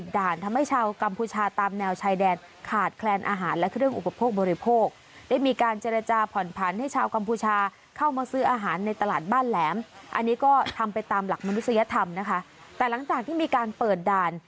ก็ทำไปตามหลักมนุษยธรรมนะคะแต่หลังจากที่มีการเปิดด่าน